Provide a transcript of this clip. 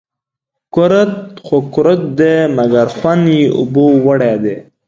کورت خو کورت دي ، مگر خوند يې اوبو وړى دى